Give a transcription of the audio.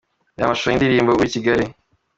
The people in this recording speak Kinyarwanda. Reba amashusho y’indirimbo "Ndi uw’i Kigali".